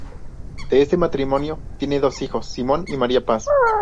De este matrimonio tiene dos hijos: Simón y María Paz.